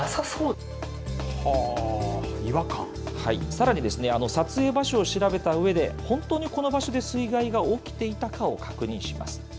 さらに撮影場所を調べたうえで、本当にこの場所で水害が起きていたかを確認します。